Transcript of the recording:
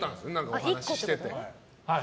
お話してて。